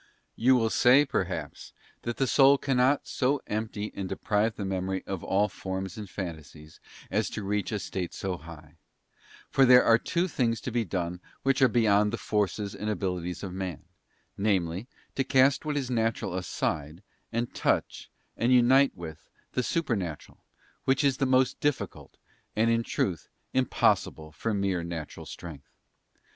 211 You will say, perhaps, that the soul cannot so empty and deprive the Memory of all forms and fantasies, as to reach a state so high; for there are two things to be done which are beyond the forces and abilities of man; namely, to cast what is natural aside, and touch, and unite with, the Supernatural, which is the most difficult, and, in truth, impossible for A _ mere natural strength.